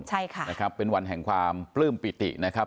ใช่ค่ะนะครับเป็นวันแห่งความปลื้มปิตินะครับ